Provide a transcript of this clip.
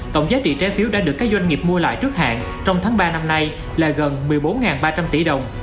tổng giá trị trái phiếu đã được các doanh nghiệp mua lại trước hạn trong tháng ba năm nay là gần một năm tỷ đồng